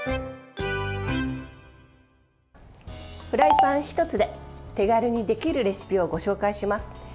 フライパン１つで手軽にできるレシピをご紹介します。